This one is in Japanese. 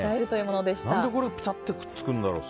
何でこれピタッとくっつくんだろう？